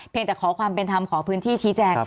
แต่ขอความเป็นธรรมขอพื้นที่ชี้แจง